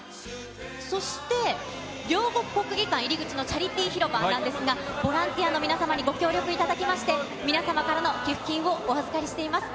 そして、両国国技館入り口のチャリティー広場なんですが、ボランティアの皆様にご協力いただきまして、皆さまからの寄付金をお預かりしています。